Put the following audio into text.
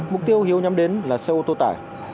mục tiêu hiếu nhắm đến là xe ô tô tải